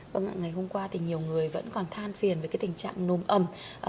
vâng ạ ngày hôm qua thì nhiều người vẫn còn than phiền với cái tình trạng nồm ẩm